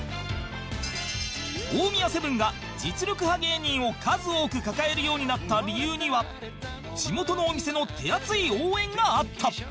大宮セブンが実力派芸人を数多く抱えるようになった理由には地元のお店の手厚い応援があった